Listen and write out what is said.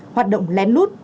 hoạt động lén lút